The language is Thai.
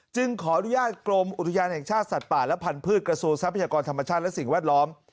ขออนุญาตกรมอุทยานแห่งชาติสัตว์ป่าและพันธุ์กระทรวงทรัพยากรธรรมชาติและสิ่งแวดล้อม